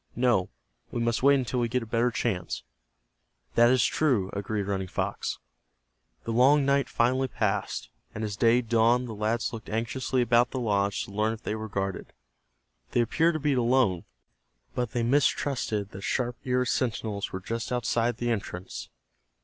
"No, we must wait until we get a better chance." "That is true," agreed Running Fox. The long night finally passed, and as day dawned the lads looked anxiously about the lodge to learn if they were guarded. They appeared to be alone, but they mistrusted that sharp eared sentinels were just outside the entrance.